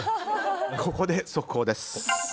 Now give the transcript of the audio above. ここで、速報です。